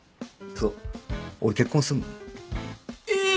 そう俺結婚すんのえ！